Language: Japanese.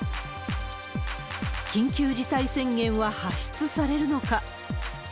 緊急事態宣言は発出されるのか。